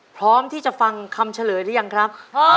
พร้อมที่จะฟังคำเฉลยหรือยังครับ